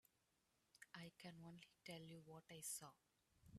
I can only tell you what I saw.